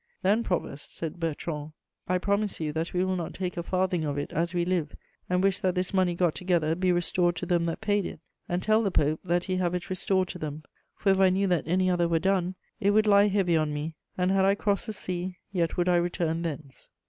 "'Then, provost,' said Bertrand, 'I promise you that we will not take a farthing of it as we live, and wish that this money got together be restored to them that paid it, and tell the Pope that he have it restored to them; for if I knew that any other were done, it would lie heavy on me; and had I crossed the sea, yet would I return thence.'